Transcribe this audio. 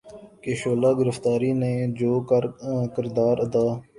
کی شعلہ گفتاری نے جو کردار ادا